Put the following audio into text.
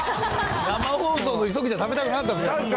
生放送の、急ぎで食べたくなかったですよ。